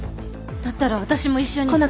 だったら私も一緒に。